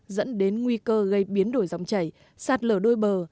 dẫn đến nguy cơ gây biến đổi dòng chảy sạt lở đôi bờ